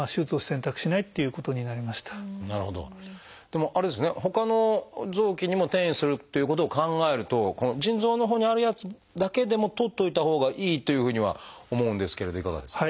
でもあれですねほかの臓器にも転移するっていうことを考えるとこの腎臓のほうにあるやつだけでもとっておいたほうがいいというふうには思うんですけれどいかがですか？